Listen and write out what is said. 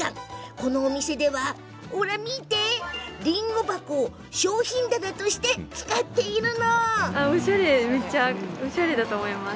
このお店では見て、りんご箱を商品棚として使っています。